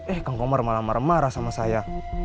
eh kang komar malah marah marah sama saya